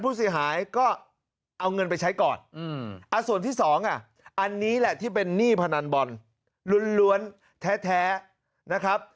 ผู้เสียหายก็เอาเงินไปใช้ก่อนส่วนที่สองอ่ะอันนี้แหละที่เป็นหนี้พนันบอลล้วนแท้นะครับ